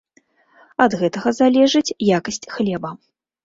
Ад гэтага залежыць якасць хлеба.